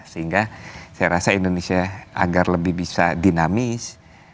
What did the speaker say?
sehingga saya rasa indonesia agar lebih bisa dinamis